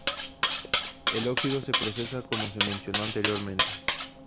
El óxido se procesa como se mencionó anteriormente.